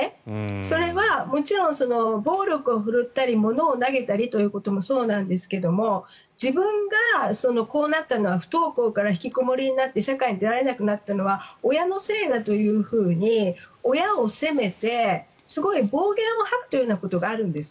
それは、もちろん暴力を振るったり物を投げたりということもそうなんですが自分がこうなったのは不登校から引きこもりになって社会に出られなくなったのは親のせいだというふうに親を責めて、すごい暴言を吐くというようなことがあるんです。